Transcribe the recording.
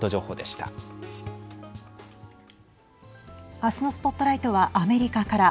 明日のＳＰＯＴＬＩＧＨＴはアメリカから。